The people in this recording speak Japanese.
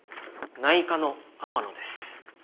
内科の天乃です。